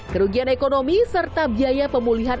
kerugian ekonomi serta biaya pemulihan